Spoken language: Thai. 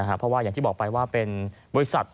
เพราะว่าอย่างที่บอกไปว่าเป็นบริษัท